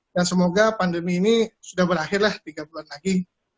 dan semoga pandemi ini sudah berakhirlah tiga bulan lagi